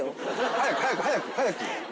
早く早く早く早く！